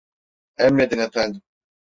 Emredin efendim.